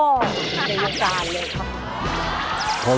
ในวงการเลยครับ